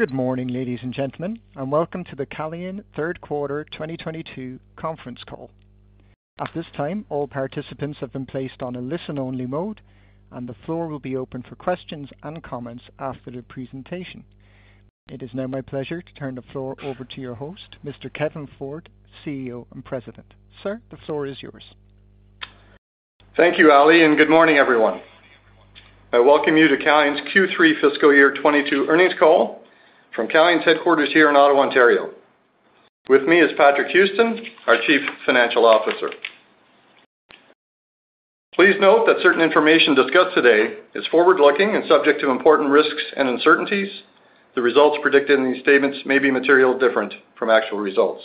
Good morning, ladies and gentlemen, and welcome to the Calian Third Quarter 2022 Conference Call. At this time, all participants have been placed on a listen-only mode, and the floor will be open for questions and comments after the presentation. It is now my pleasure to turn the floor over to your host, Mr. Kevin Ford, CEO and President. Sir, the floor is yours. Thank you, Ali, and good morning, everyone. I welcome you to Calian's Q3 fiscal year 2022 earnings call from Calian's headquarters here in Ottawa, Ontario. With me is Patrick Houston, our Chief Financial Officer. Please note that certain information discussed today is forward-looking and subject to important risks and uncertainties. The results predicted in these statements may be materially different from actual results.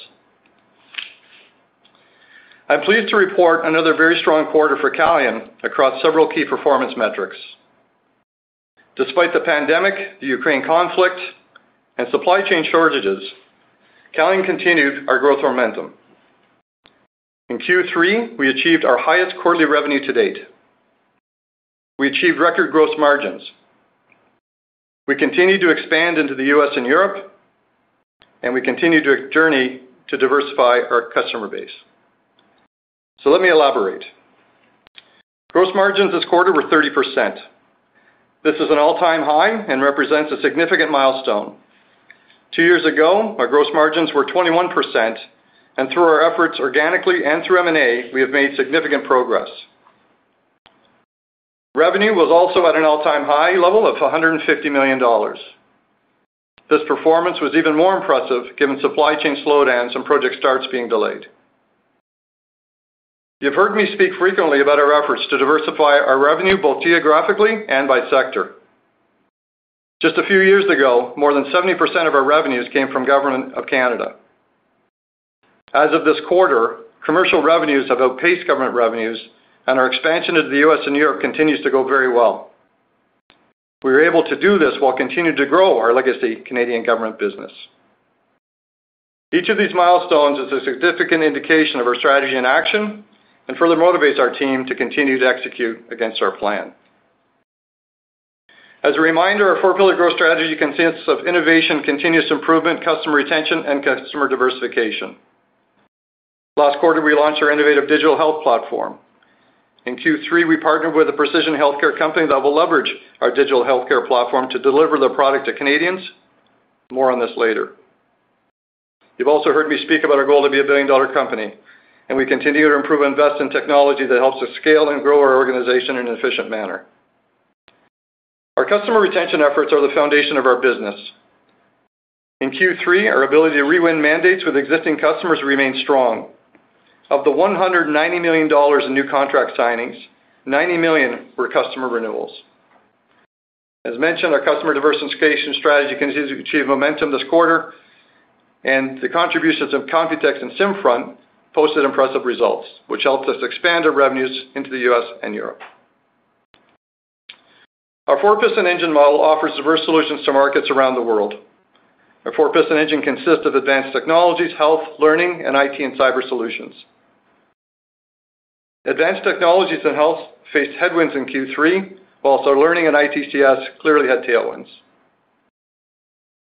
I'm pleased to report another very strong quarter for Calian across several key performance metrics. Despite the pandemic, the Ukraine conflict, and supply chain shortages, Calian continued our growth momentum. In Q3, we achieved our highest quarterly revenue to date. We achieved record gross margins. We continue to expand into the U.S. and Europe, and we continue to journey to diversify our customer base. Let me elaborate. Gross margins this quarter were 30%. This is an all-time high and represents a significant milestone. Two years ago, our gross margins were 21%, and through our efforts organically and through M&A, we have made significant progress. Revenue was also at an all-time high level of 150 million dollars. This performance was even more impressive given supply chain slowdowns and project starts being delayed. You've heard me speak frequently about our efforts to diversify our revenue, both geographically and by sector. Just a few years ago, more than 70% of our revenues came from Government of Canada. As of this quarter, commercial revenues have outpaced government revenues, and our expansion into the U.S. and Europe continues to go very well. We were able to do this while continuing to grow our legacy Canadian government business. Each of these milestones is a significant indication of our strategy in action and further motivates our team to continue to execute against our plan. As a reminder, our four-pillar growth strategy consists of innovation, continuous improvement, customer retention, and customer diversification. Last quarter, we launched our innovative digital health platform. In Q3, we partnered with a precision healthcare company that will leverage our digital healthcare platform to deliver their product to Canadians. More on this later. You've also heard me speak about our goal to be a billion-dollar company, and we continue to improve and invest in technology that helps us scale and grow our organization in an efficient manner. Our customer retention efforts are the foundation of our business. In Q3, our ability to re-win mandates with existing customers remained strong. Of the 190 million dollars in new contract signings, 90 million were customer renewals. As mentioned, our customer diversification strategy continued to achieve momentum this quarter, and the contributions of Computex and SimFront posted impressive results, which helped us expand our revenues into the U.S. and Europe. Our four-piston engine model offers diverse solutions to markets around the world. Our four-piston engine consists of advanced technologies, health, learning, and IT and cyber solutions. Advanced technologies and health faced headwinds in Q3, while our learning and ITCS clearly had tailwinds.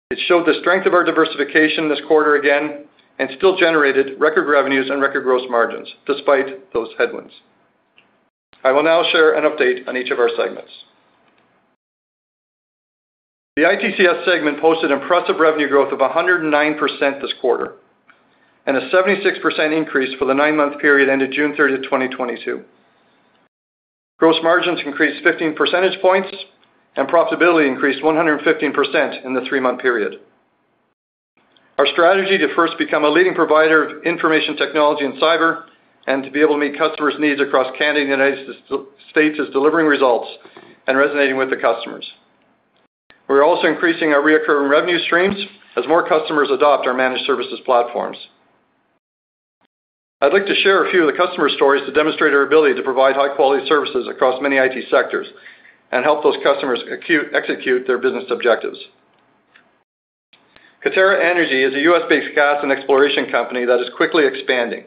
It showed the strength of our diversification this quarter again and still generated record revenues and record gross margins despite those headwinds. I will now share an update on each of our segments. The ITCS segment posted impressive revenue growth of 109% this quarter, and a 76% increase for the nine-month period ended June 30, 2022. Gross margins increased 15 percentage points, and profitability increased 115% in the three-month period. Our strategy to first become a leading provider of information technology and cyber and to be able to meet customers' needs across Canada and the United States is delivering results and resonating with the customers. We're also increasing our recurring revenue streams as more customers adopt our managed services platforms. I'd like to share a few of the customer stories to demonstrate our ability to provide high-quality services across many IT sectors and help those customers execute their business objectives. Coterra Energy is a U.S.-based gas and exploration company that is quickly expanding.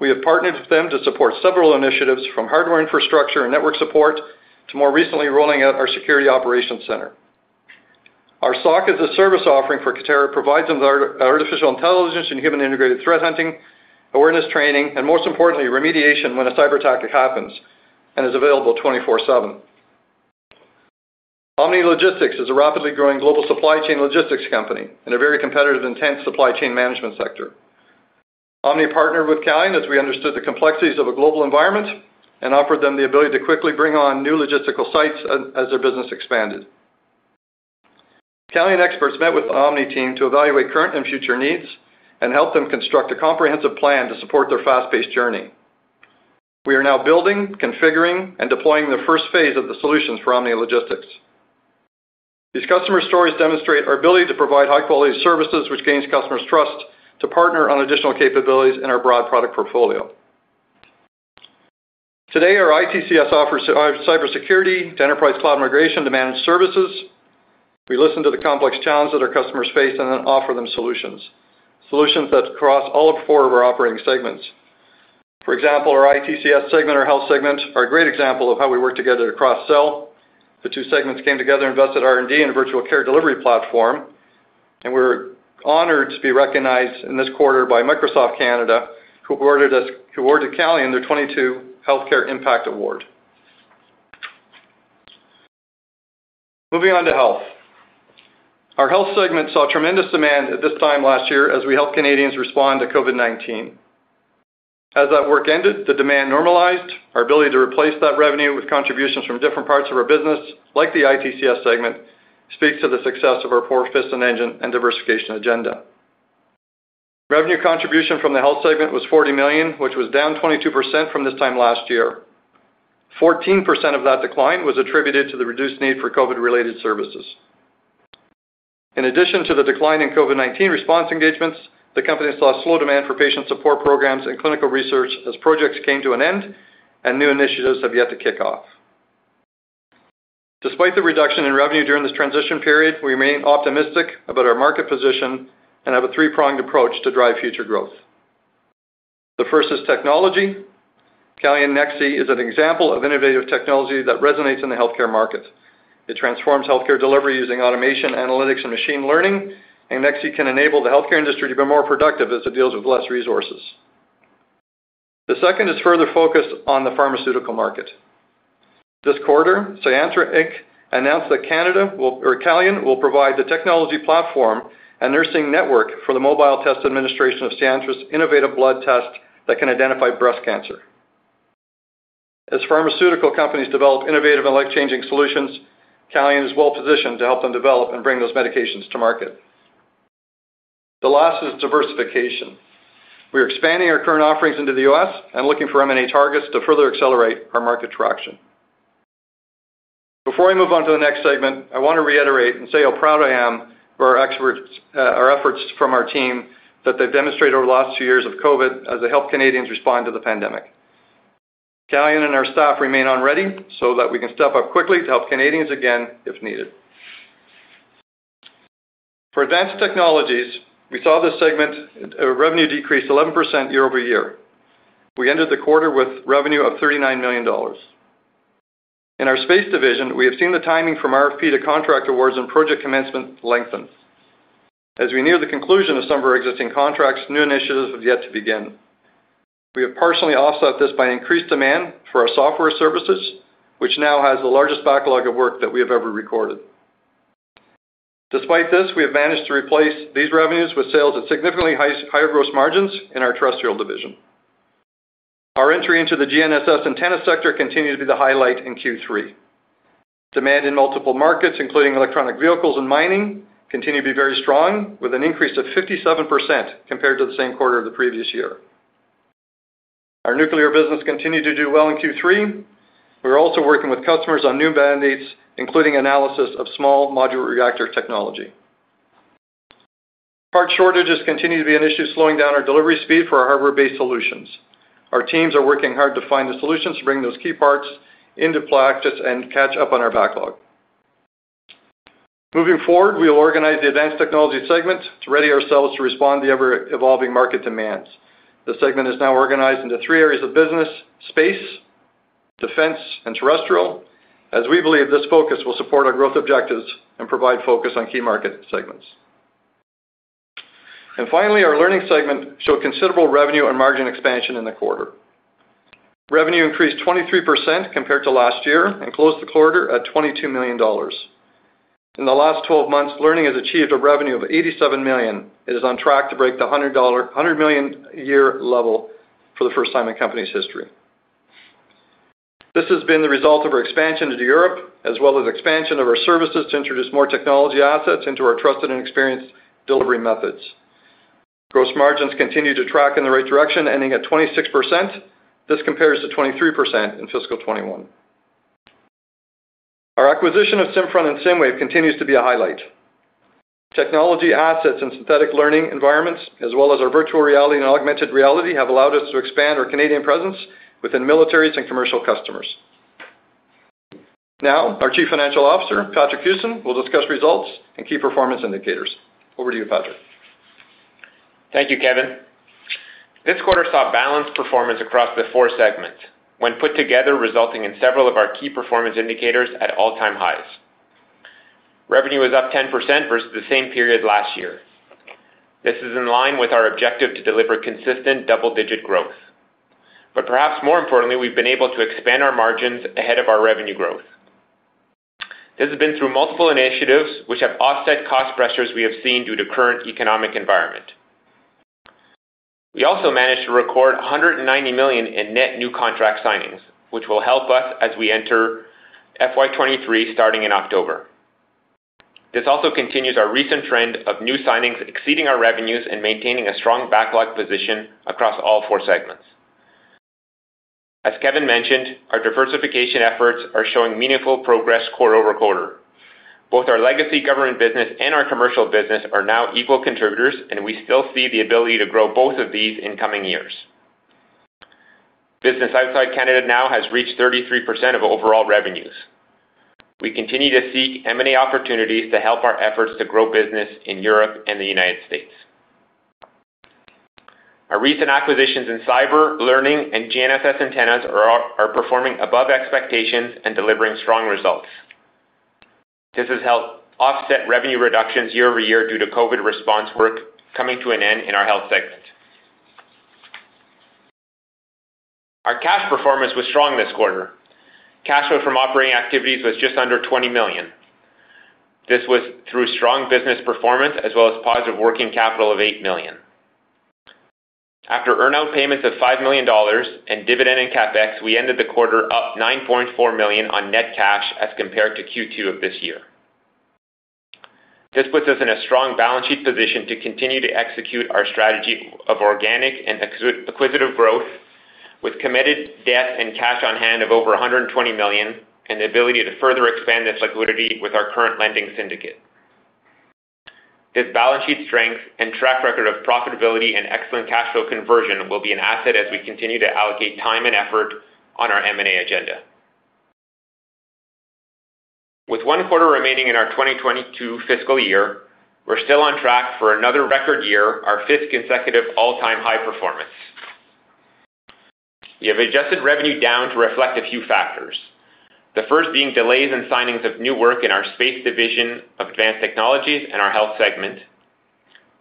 We have partnered with them to support several initiatives from hardware infrastructure and network support to more recently rolling out our security operations center. Our SOC, as a service offering for Coterra, provides them with artificial intelligence and human integrated threat hunting, awareness training, and most importantly, remediation when a cyber attack happens and is available 24/7. Omni Logistics is a rapidly growing global supply chain logistics company in a very competitive, intense supply chain management sector. Omni partnered with Calian as we understood the complexities of a global environment and offered them the ability to quickly bring on new logistical sites as their business expanded. Calian experts met with the Omni team to evaluate current and future needs and help them construct a comprehensive plan to support their fast-paced journey. We are now building, configuring, and deploying the first phase of the solutions for Omni Logistics. These customer stories demonstrate our ability to provide high-quality services, which gains customers' trust to partner on additional capabilities in our broad product portfolio. Today, our ITCS offers our cybersecurity to enterprise cloud migration to managed services. We listen to the complex challenges that our customers face and then offer them solutions that cross all of four of our operating segments. For example, our ITCS segment or health segment are a great example of how we work together to cross-sell. The two segments came together, invested R&D in a virtual care delivery platform, and we're honored to be recognized in this quarter by Microsoft Canada, who awarded Calian their 2022 Healthcare Impact Award. Moving on to health. Our health segment saw tremendous demand at this time last year as we helped Canadians respond to COVID-19. As that work ended, the demand normalized. Our ability to replace that revenue with contributions from different parts of our business, like the ITCS segment, speaks to the success of our four piston engine and diversification agenda. Revenue contribution from the health segment was 40 million, which was down 22% from this time last year. 14% of that decline was attributed to the reduced need for COVID-related services. In addition to the decline in COVID-19 response engagements, the company has seen slow demand for patient support programs and clinical research as projects came to an end and new initiatives have yet to kick off. Despite the reduction in revenue during this transition period, we remain optimistic about our market position and have a three-pronged approach to drive future growth. The first is technology. Calian Nexi is an example of innovative technology that resonates in the healthcare market. It transforms healthcare delivery using automation, analytics, and machine learning, and Nexi can enable the healthcare industry to be more productive as it deals with less resources. The second is further focus on the pharmaceutical market. This quarter, Syantra Inc announced that Calian will provide the technology platform and nursing network for the mobile test administration of Syantra's innovative blood test that can identify breast cancer. As pharmaceutical companies develop innovative and life-changing solutions, Calian is well-positioned to help them develop and bring those medications to market. The last is diversification. We're expanding our current offerings into the U.S. and looking for M&A targets to further accelerate our market traction. Before I move on to the next segment, I wanna reiterate and say how proud I am for our experts, our efforts from our team that they've demonstrated over the last two years of COVID as they helped Canadians respond to the pandemic. Calian and our staff remain on ready so that we can step up quickly to help Canadians again if needed. For advanced technologies, we saw this segment, revenue decrease 11% year-over-year. We ended the quarter with revenue of 39 million dollars. In our space division, we have seen the timing from RFP to contract awards and project commencement lengthen. As we near the conclusion of some of our existing contracts, new initiatives have yet to begin. We have partially offset this by increased demand for our software services, which now has the largest backlog of work that we have ever recorded. Despite this, we have managed to replace these revenues with sales at higher gross margins in our terrestrial division. Our entry into the GNSS antenna sector continued to be the highlight in Q3. Demand in multiple markets, including electric vehicles and mining, continue to be very strong with an increase of 57% compared to the same quarter of the previous year. Our nuclear business continued to do well in Q3. We're also working with customers on new mandates, including analysis of small modular reactor technology. Part shortages continue to be an issue, slowing down our delivery speed for our hardware-based solutions. Our teams are working hard to find the solutions to bring those key parts into production and catch up on our backlog. Moving forward, we will organize the advanced technology segment to ready ourselves to respond to the ever-evolving market demands. The segment is now organized into three areas of business: space, defense, and terrestrial, as we believe this focus will support our growth objectives and provide focus on key market segments. Finally, our learning segment showed considerable revenue and margin expansion in the quarter. Revenue increased 23% compared to last year and closed the quarter at 22 million dollars. In the last 12 months, learning has achieved a revenue of 87 million. It is on track to break the 100 million dollar a year level for the first time in company's history. This has been the result of our expansion into Europe, as well as expansion of our services to introduce more technology assets into our trusted and experienced delivery methods. Gross margins continue to track in the right direction, ending at 26%. This compares to 23% in fiscal 2021. Our acquisition of SimFront and SimWave continues to be a highlight. Technology assets and synthetic learning environments, as well as our virtual reality and augmented reality, have allowed us to expand our Canadian presence within militaries and commercial customers. Now, our Chief Financial Officer, Patrick Houston, will discuss results and key performance indicators. Over to you, Patrick. Thank you, Kevin. This quarter saw balanced performance across the four segments when put together, resulting in several of our key performance indicators at all-time highs. Revenue was up 10% versus the same period last year. This is in line with our objective to deliver consistent double-digit growth. Perhaps more importantly, we've been able to expand our margins ahead of our revenue growth. This has been through multiple initiatives which have offset cost pressures we have seen due to current economic environment. We also managed to record 190 million in net new contract signings, which will help us as we enter FY 2023 starting in October. This also continues our recent trend of new signings exceeding our revenues and maintaining a strong backlog position across all four segments. As Kevin mentioned, our diversification efforts are showing meaningful progress quarter-over-quarter. Both our legacy government business and our commercial business are now equal contributors, and we still see the ability to grow both of these in coming years. Business outside Canada now has reached 33% of overall revenues. We continue to seek M&A opportunities to help our efforts to grow business in Europe and the United States. Our recent acquisitions in cyber, learning, and GNSS antennas are performing above expectations and delivering strong results. This has helped offset revenue reductions year-over-year due to COVID response work coming to an end in our health segment. Our cash performance was strong this quarter. Cash flow from operating activities was just under 20 million. This was through strong business performance as well as positive working capital of 8 million. After earn-out payments of 5 million dollars and dividend and CapEx, we ended the quarter up 9.4 million on net cash as compared to Q2 of this year. This puts us in a strong balance sheet position to continue to execute our strategy of organic and acquisitive growth with committed debt and cash on hand of over 120 million, and the ability to further expand this liquidity with our current lending syndicate. This balance sheet strength and track record of profitability and excellent cash flow conversion will be an asset as we continue to allocate time and effort on our M&A agenda. With one quarter remaining in our 2022 fiscal year, we're still on track for another record year, our fifth consecutive all-time high performance. We have adjusted revenue down to reflect a few factors. The first being delays in signings of new work in our space division of advanced technologies and our health segment.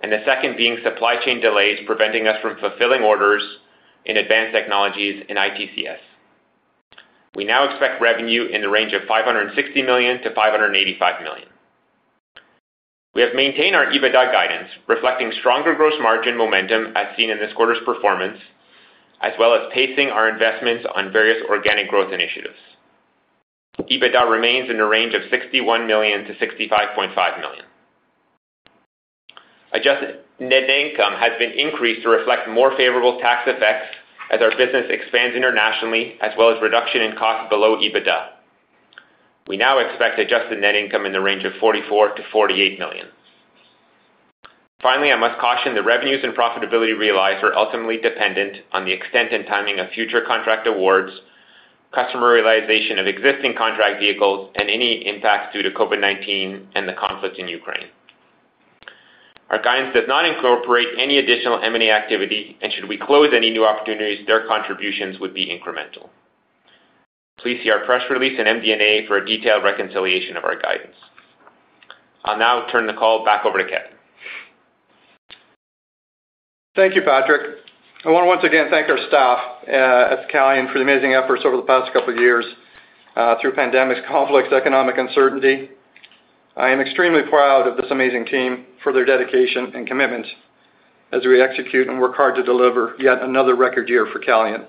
The second being supply chain delays preventing us from fulfilling orders in advanced technologies in ITCS. We now expect revenue in the range of 560 million-585 million. We have maintained our EBITDA guidance, reflecting stronger gross margin momentum as seen in this quarter's performance, as well as pacing our investments on various organic growth initiatives. EBITDA remains in the range of 61 million-65.5 million. Adjusted net income has been increased to reflect more favorable tax effects as our business expands internationally, as well as reduction in costs below EBITDA. We now expect adjusted net income in the range of 44 million-48 million. Finally, I must caution that revenues and profitability realized are ultimately dependent on the extent and timing of future contract awards, customer realization of existing contract vehicles, and any impacts due to COVID-19 and the conflict in Ukraine. Our guidance does not incorporate any additional M&A activity, and should we close any new opportunities, their contributions would be incremental. Please see our press release in MD&A for a detailed reconciliation of our guidance. I'll now turn the call back over to Kevin. Thank you, Patrick. I wanna once again thank our staff at Calian for the amazing efforts over the past couple of years through pandemics, conflicts, economic uncertainty. I am extremely proud of this amazing team for their dedication and commitment as we execute and work hard to deliver yet another record year for Calian.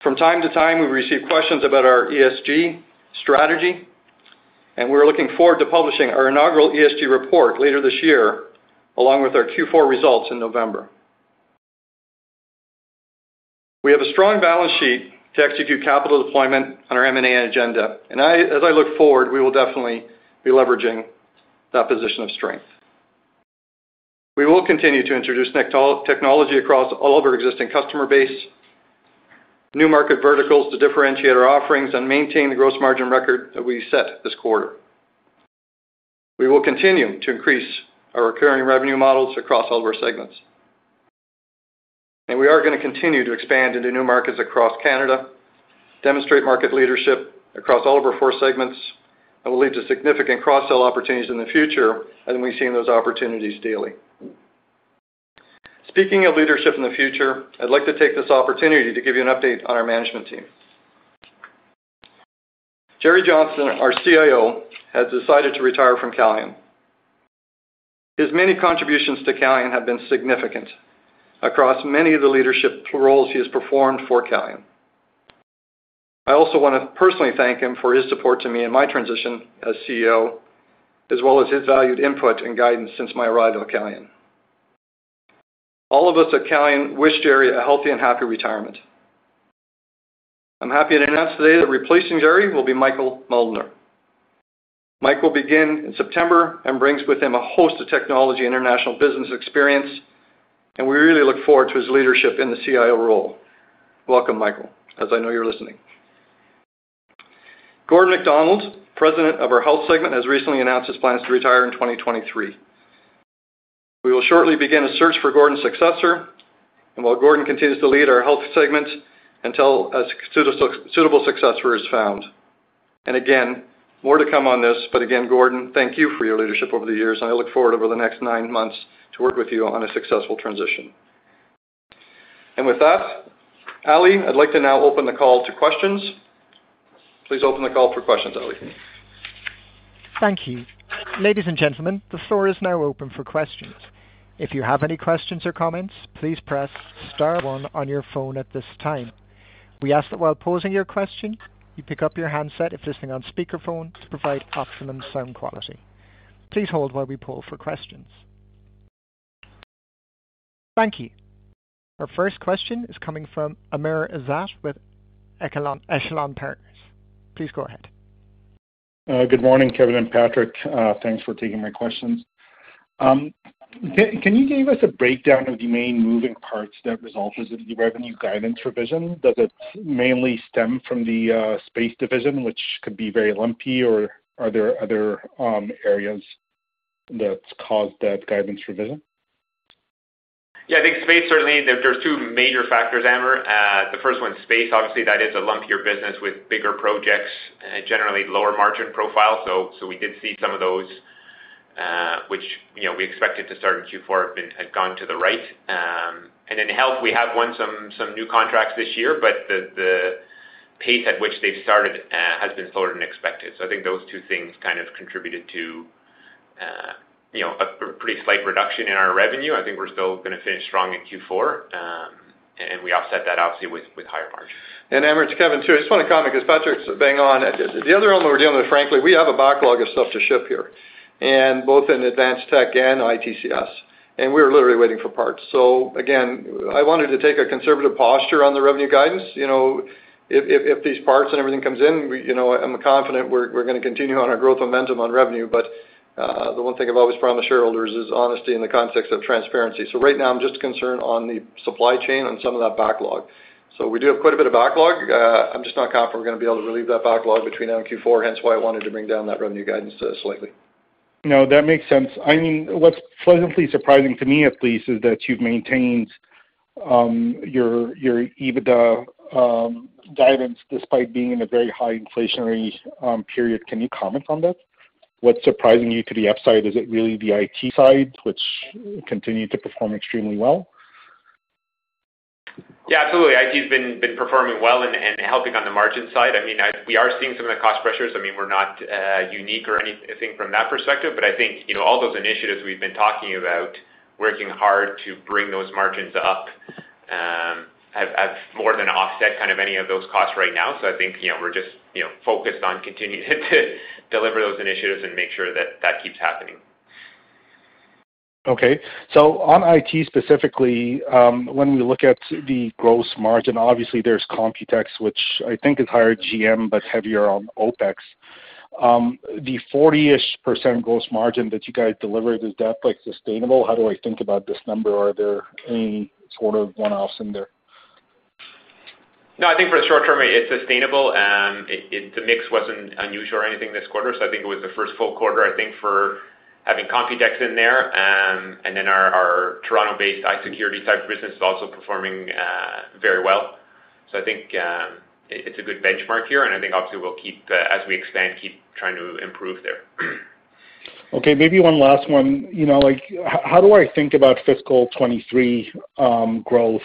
From time to time, we've received questions about our ESG strategy, and we're looking forward to publishing our inaugural ESG report later this year, along with our Q4 results in November. We have a strong balance sheet to execute capital deployment on our M&A agenda. As I look forward, we will definitely be leveraging that position of strength. We will continue to introduce Nexi technology across all of our existing customer base, new market verticals to differentiate our offerings and maintain the gross margin record that we set this quarter. We will continue to increase our recurring revenue models across all of our segments. We are gonna continue to expand into new markets across Canada, demonstrate market leadership across all of our four segments that will lead to significant cross-sell opportunities in the future, and we've seen those opportunities daily. Speaking of leadership in the future, I'd like to take this opportunity to give you an update on our management team. Jerry Johnston, our CIO, has decided to retire from Calian. His many contributions to Calian have been significant across many of the leadership roles he has performed for Calian. I also wanna personally thank him for his support to me in my transition as CEO, as well as his valued input and guidance since my arrival at Calian. All of us at Calian wish Jerry a healthy and happy retirement. I'm happy to announce today that replacing Jerry will be Michael Muldner. Mike will begin in September and brings with him a host of technology international business experience, and we really look forward to his leadership in the CIO role. Welcome, Michael, as I know you're listening. Gordon McDonald, president of our health segment, has recently announced his plans to retire in 2023. We will shortly begin a search for Gordon's successor, and while Gordon continues to lead our health segment until a suitable successor is found. Again, more to come on this, but again, Gordon, thank you for your leadership over the years, and I look forward over the next nine months to work with you on a successful transition. With that, Ali, I'd like to now open the call to questions. Please open the call for questions, Ali. Thank you. Ladies and gentlemen, the floor is now open for questions. If you have any questions or comments, please press star one on your phone at this time. We ask that while posing your question, you pick up your handset if listening on speakerphone to provide optimum sound quality. Please hold while we poll for questions. Thank you. Our first question is coming from Amr Ezzat with Echelon Partners. Please go ahead. Good morning, Kevin and Patrick. Thanks for taking my questions. Can you give us a breakdown of the main moving parts that resulted in the revenue guidance revision? Does it mainly stem from the space division, which could be very lumpy, or are there other areas that's caused that guidance revision? Yeah. I think space, certainly there's two major factors, Amr. The first one's space. Obviously, that is a lumpier business with bigger projects, generally lower margin profile. So we did see some of those, which, you know, we expected to start in Q4 had gone to the right. And in health, we have won some new contracts this year, but the pace at which they've started has been slower than expected. So I think those two things kind of contributed to, you know, a pretty slight reduction in our revenue. I think we're still gonna finish strong in Q4, and we offset that obviously with higher margin. Amr, it's Kevin too. I just wanna comment 'cause Patrick's bang on. The other element we're dealing with, frankly, we have a backlog of stuff to ship here, and both in advanced tech and ITCS, and we're literally waiting for parts. I wanted to take a conservative posture on the revenue guidance. You know, if these parts and everything comes in, you know, I'm confident we're gonna continue on our growth momentum on revenue. The one thing I've always promised shareholders is honesty in the context of transparency. Right now I'm just concerned on the supply chain on some of that backlog. We do have quite a bit of backlog. I'm just not confident we're gonna be able to relieve that backlog between now and Q4, hence why I wanted to bring down that revenue guidance, slightly. No, that makes sense. I mean, what's pleasantly surprising to me at least is that you've maintained your EBITDA guidance, despite being in a very high inflationary period. Can you comment on that? What's surprising you to the upside? Is it really the IT side which continued to perform extremely well? Yeah, absolutely. IT has been performing well and helping on the margin side. I mean, we are seeing some of the cost pressures. I mean, we're not unique or anything from that perspective, but I think, you know, all those initiatives we've been talking about, working hard to bring those margins up, have more than offset kind of any of those costs right now. I think, you know, we're just, you know, focused on continuing to deliver those initiatives and make sure that that keeps happening. Okay. On IT specifically, when we look at the gross margin, obviously there's Computex, which I think is higher GM, but heavier on OpEx. The 40-ish% gross margin that you guys delivered, is that like sustainable? How do I think about this number? Are there any sort of one-offs in there? No, I think for the short term it's sustainable. The mix wasn't unusual or anything this quarter, so I think it was the first full quarter, I think, for having Computex in there. Our Toronto-based IT security type business is also performing very well. I think it's a good benchmark here, and I think obviously we'll keep as we expand, keep trying to improve there. Okay, maybe one last one. You know, like, how do I think about fiscal 2023 growth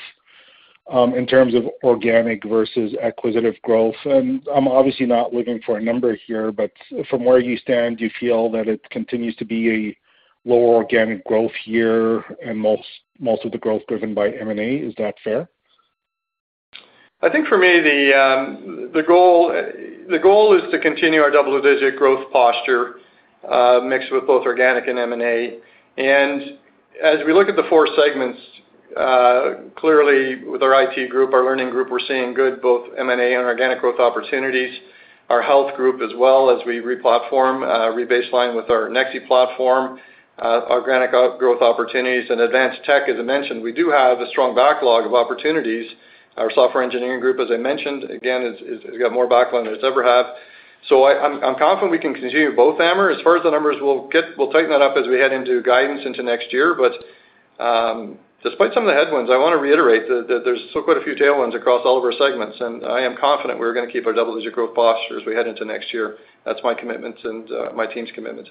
in terms of organic versus acquisitive growth? I'm obviously not looking for a number here, but from where you stand, do you feel that it continues to be a lower organic growth year and most of the growth driven by M&A, is that fair? I think for me, the goal is to continue our double-digit growth posture, mixed with both organic and M&A. As we look at the four segments, clearly with our IT group, our learning group, we're seeing good both M&A and organic growth opportunities. Our health group as well as we re-platform, re-baseline with our Nexi platform, organic outgrowth opportunities and advanced tech, as I mentioned, we do have a strong backlog of opportunities. Our software engineering group, as I mentioned, again, is got more backlog than it's ever had. I'm confident we can continue both, Amr. As far as the numbers, we'll tighten that up as we head into guidance into next year. Despite some of the headwinds, I wanna reiterate that there's still quite a few tailwinds across all of our segments, and I am confident we're gonna keep our double-digit growth posture as we head into next year. That's my commitment and my team's commitment.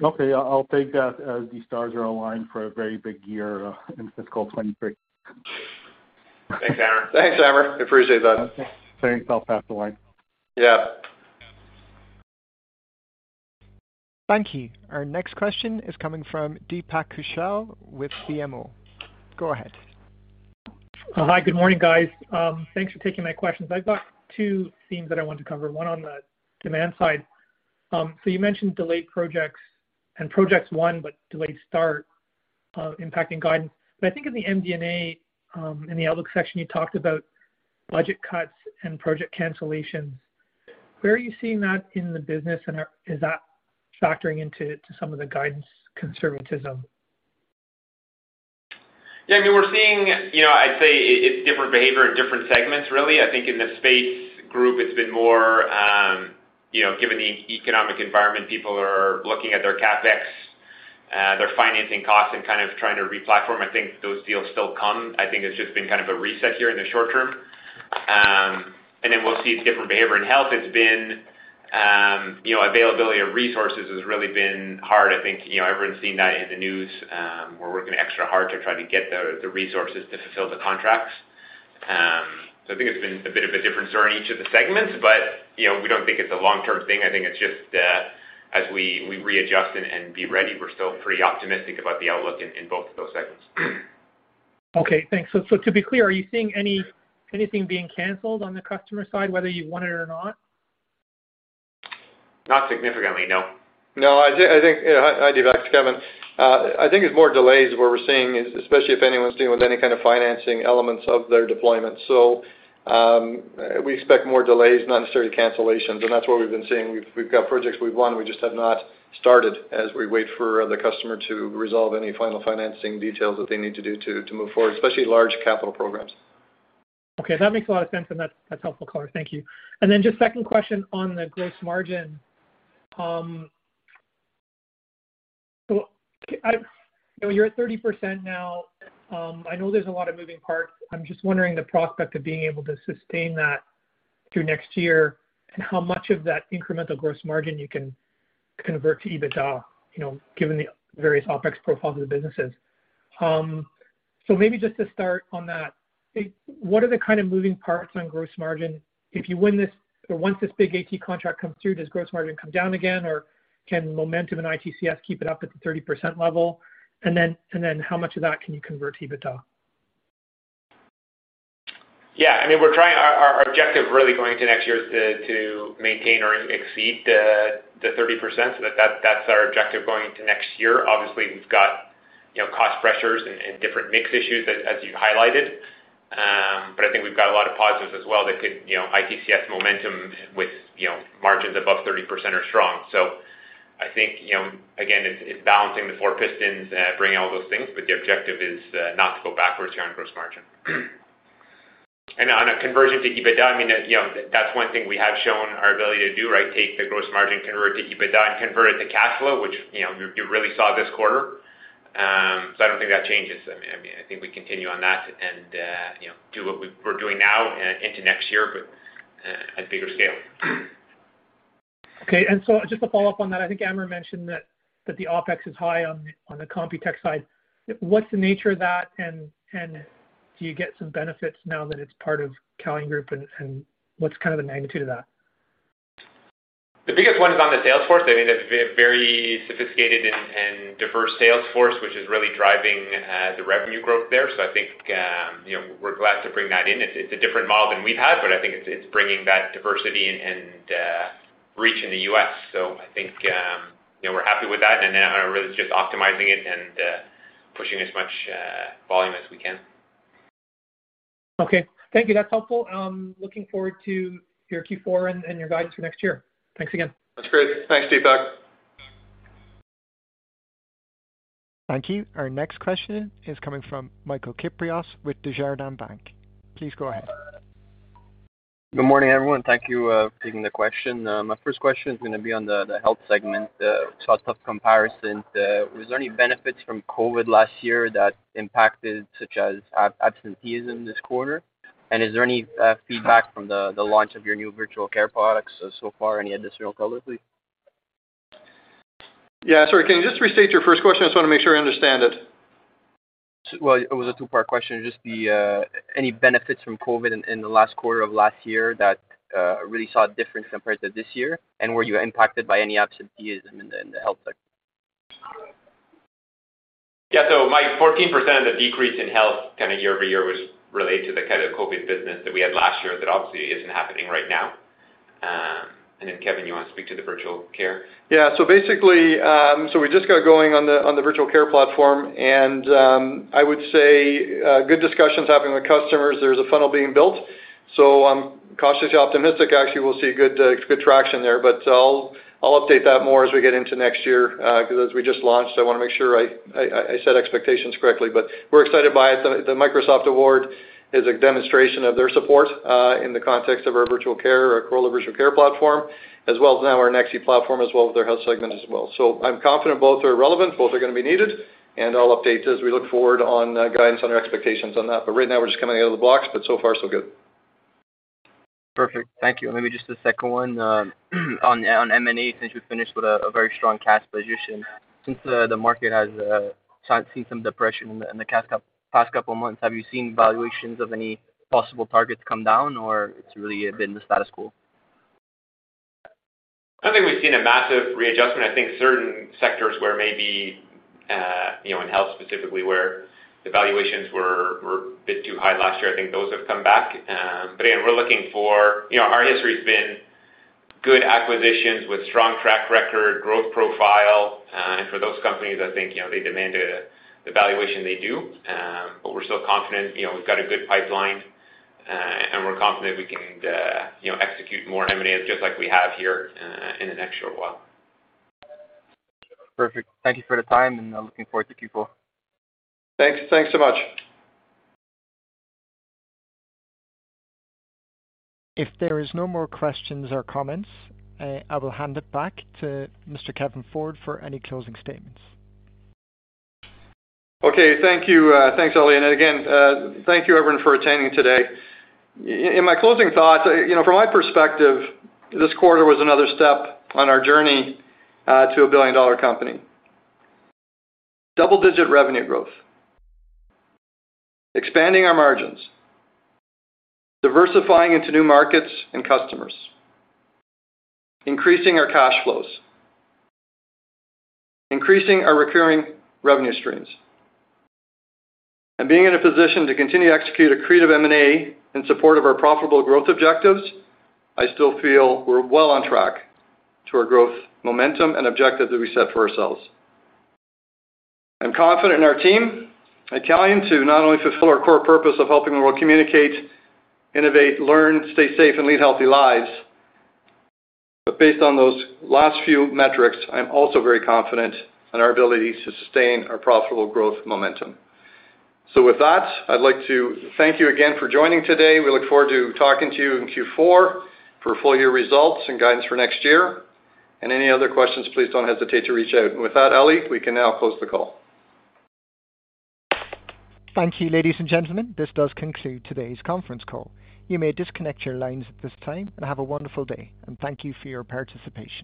Okay. I'll take that as the stars are aligned for a very big year in fiscal 2023. Thanks, Amr. Thanks, Amr. I appreciate that. Thanks. I'll pass the line. Yeah. Thank you. Our next question is coming from Deepak Kaushal with BMO. Go ahead. Hi. Good morning, guys. Thanks for taking my questions. I've got two themes that I want to cover, one on the demand side. You mentioned delayed projects and projects won but delayed start, impacting guidance. I think in the MD&A, in the outlook section, you talked about budget cuts and project cancellations. Where are you seeing that in the business, and is that factoring into some of the guidance conservatism? Yeah. I mean, we're seeing, you know, I'd say it's different behavior in different segments really. I think in the space group it's been more, you know, given the economic environment, people are looking at their CapEx, their financing costs and kind of trying to re-platform. I think those deals still come. I think it's just been kind of a reset here in the short term. We'll see it's different behavior in health. It's been, you know, availability of resources has really been hard. I think, you know, everyone's seen that in the news. We're working extra hard to try to get the resources to fulfill the contracts. I think it's been a bit of a different story in each of the segments, but, you know, we don't think it's a long-term thing. I think it's just as we readjust and be ready. We're still pretty optimistic about the outlook in both of those segments. Okay, thanks. To be clear, are you seeing any, anything being canceled on the customer side, whether you want it or not? Not significantly, no. No, I think I'd give it back it's Kevin. I think it's more delays is what we're seeing, especially if anyone's dealing with any kind of financing elements of their deployment. We expect more delays, not necessarily cancellations, and that's what we've been seeing. We've got projects we've won, we just have not started as we wait for the customer to resolve any final financing details that they need to do to move forward, especially large capital programs. Okay, that makes a lot of sense, and that's helpful color. Thank you. Then just second question on the gross margin. So you're at 30% now, I know there's a lot of moving parts. I'm just wondering the prospect of being able to sustain that through next year and how much of that incremental gross margin you can convert to EBITDA, you know, given the various OpEx profiles of the businesses. So maybe just to start on that, what are the kind of moving parts on gross margin? If you win this or once this big AT contract comes through, does gross margin come down again, or can momentum in ITCS keep it up at the 30% level? Then how much of that can you convert to EBITDA? Yeah, I mean, our objective really going to next year is to maintain or exceed the 30%. So that's our objective going into next year. Obviously, we've got, you know, cost pressures and different mix issues as you highlighted. But I think we've got a lot of positives as well that could, you know, ITCS momentum with, you know, margins above 30% are strong. So I think, you know, again, it's balancing the four pistons, bringing all those things, but the objective is not to go backwards here on gross margin. On a conversion to EBITDA, I mean, you know, that's one thing we have shown our ability to do, right? Take the gross margin convert to EBITDA and convert it to cash flow, which, you know, you really saw this quarter. I don't think that changes. I mean, I think we continue on that and, you know, do what we're doing now, into next year, but at bigger scale. Okay. Just to follow up on that, I think Amr mentioned that the OpEx is high on the Computex side. What's the nature of that and do you get some benefits now that it's part of Calian Group and what's kind of the magnitude of that? The biggest one is on the sales force. I mean, it's a very sophisticated and diverse sales force, which is really driving the revenue growth there. I think, you know, we're glad to bring that in. It's a different model than we've had, but I think it's bringing that diversity and reach in the U.S.. I think, you know, we're happy with that, and now really just optimizing it and pushing as much volume as we can. Okay. Thank you. That's helpful. Looking forward to your Q4 and your guidance for next year. Thanks again. That's great. Thanks, Deepak. Thank you. Our next question is coming from Michael Kypreos with Desjardins. Please go ahead. Good morning, everyone. Thank you for taking the question. My first question is gonna be on the health segment, the sort of tough comparison. Was there any benefits from COVID last year that impacted such as absenteeism this quarter? Is there any feedback from the launch of your new virtual care products so far? Any additional color, please? Yeah, sorry. Can you just restate your first question? I just wanna make sure I understand it. Well, it was a two-part question. Just the any benefits from COVID in the last quarter of last year that really saw a difference compared to this year? And were you impacted by any absenteeism in the health sector? My 14% of the decrease in health kinda year-over-year was related to the kind of COVID business that we had last year that obviously isn't happening right now. Kevin, you wanna speak to the virtual care? Yeah. Basically, we just got going on the virtual care platform and, I would say, good discussions happening with customers. There's a funnel being built. I'm cautiously optimistic. Actually, we'll see good traction there. But I'll update that more as we get into next year, 'cause as we just launched, I wanna make sure I set expectations correctly. We're excited by it. The Microsoft Award is a demonstration of their support in the context of our virtual care, our core virtual care platform, as well as now our Nexi platform as well with their health segment as well. I'm confident both are relevant, both are gonna be needed, and I'll update as we look forward on guidance on our expectations on that. right now, we're just coming out of the blocks, but so far so good. Perfect. Thank you. Maybe just a second one on M&A, since we finished with a very strong cash position. Since the market has seen some depression in the past couple of months, have you seen valuations of any possible targets come down, or it's really been the status quo? I don't think we've seen a massive readjustment. I think certain sectors where maybe, you know, in health specifically, where the valuations were a bit too high last year, I think those have come back. Again, we're looking for you know, our history's been good acquisitions with strong track record, growth profile. For those companies, I think, you know, they demand the valuation they do. We're still confident, you know, we've got a good pipeline, and we're confident we can, you know, execute more M&As just like we have here, in the next short while. Perfect. Thank you for the time, and looking forward to Q4. Thanks. Thanks so much. If there is no more questions or comments, I will hand it back to Mr. Kevin Ford for any closing statements. Okay. Thank you. Thanks, Ali. Again, thank you everyone for attending today. In my closing thoughts, you know, from my perspective, this quarter was another step on our journey to a billion-dollar company. Double-digit revenue growth, expanding our margins, diversifying into new markets and customers, increasing our cash flows, increasing our recurring revenue streams, and being in a position to continue to execute accretive M&A in support of our profitable growth objectives. I still feel we're well on track to our growth momentum and objectives that we set for ourselves. I'm confident in our team at Calian to not only fulfill our core purpose of helping the world communicate, innovate, learn, stay safe, and lead healthy lives, but based on those last few metrics, I'm also very confident in our ability to sustain our profitable growth momentum. With that, I'd like to thank you again for joining today. We look forward to talking to you in Q4 for full year results and guidance for next year. Any other questions, please don't hesitate to reach out. With that, Ali, we can now close the call. Thank you, ladies and gentlemen. This does conclude today's conference call. You may disconnect your lines at this time, and have a wonderful day. Thank you for your participation.